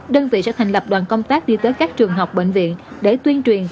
đơn vị sẽ thành lập đoàn công tác đi tới các trường học bệnh viện để tuyên truyền